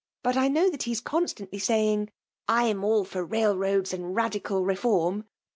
But I know that he is constantly say^ ing ' I am all for Railroads and Radieal tlc^ fbrm.